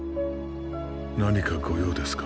何か御用ですか？